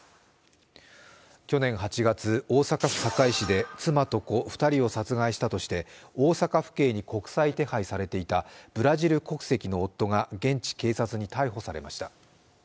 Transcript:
去年８月、大阪府堺市で妻と子２人を殺害したとして大阪府警に国際手配されていたブラジル国籍の夫が現地警察に逮捕されました。